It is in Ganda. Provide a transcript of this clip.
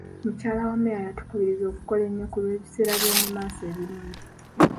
Mukyala wa mmeeya yatukubiriza okukola ennyo ku lw'ebiseera by'omu maaso ebirungi